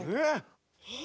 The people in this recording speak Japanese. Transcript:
えっ！？